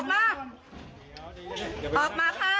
ออกมาค่ะออกมาค่ะ